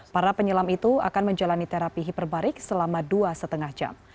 para penyelam itu akan menjalani terapi hiperbarik selama dua lima jam